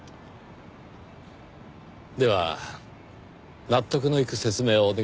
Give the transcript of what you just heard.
では納得のいく説明をお願いします。